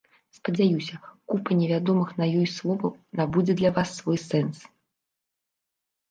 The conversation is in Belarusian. Спадзяюся, купа невядомых на ёй словаў набудзе для вас свой сэнс.